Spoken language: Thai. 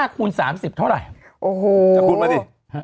๑๕คูณ๓๐ท้าวไหร่โอ้โหฟังว่าดิ